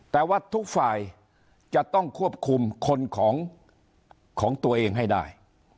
แต่ว่าทุกฝ่ายจะต้องควบคุมคนของตัวเองให้ได้